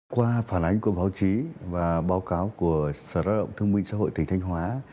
qua phản ánh của báo chí và báo cáo của sở lao động thương minh xã hội tỉnh thanh hóa